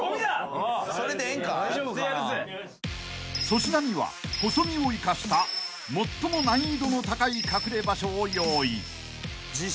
［粗品には細身を生かした最も難易度の高い隠れ場所を用意］